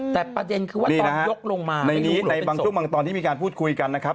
แต่ประเด็นคือว่าตอนยกลงมาในนี้ในบางช่วงบางตอนที่มีการพูดคุยกันนะครับ